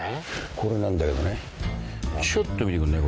これなんだけどねちょっと見てくんない？